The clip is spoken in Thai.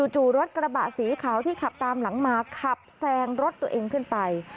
จู่รถกระบะสีขาวที่ขับตามหลังมาขับแซงรถตัวเองขึ้นไป